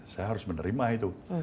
saya harus menerima itu